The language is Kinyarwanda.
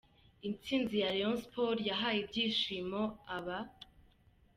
Intsinzi ya Rayon Sports yahaye ibyishimo aba.